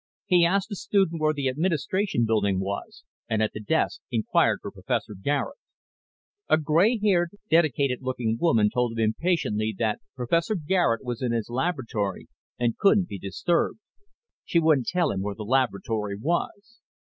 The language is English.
He asked a student where the Administration Building was and at the desk inquired for Professor Garet. A gray haired, dedicated looking woman told him impatiently that Professor Garet was in his laboratory and couldn't be disturbed. She wouldn't tell him where the laboratory was.